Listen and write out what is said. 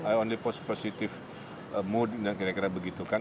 i only post positive mood dan kira kira begitu kan